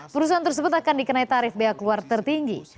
perusahaan tersebut akan dikenai tarif bea keluar tertinggi